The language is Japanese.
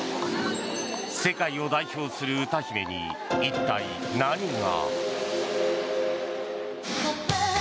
世界を代表する歌姫に一体、何が。